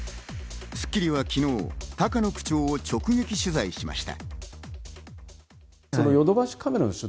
『スッキリ』は昨日、高野区長を直撃取材しました。